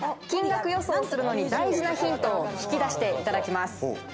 金額予想するのに大事なヒントを引き出していただきます。